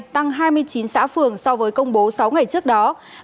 tăng hai mươi chín xã phường so với công bố sáu ngày trước đó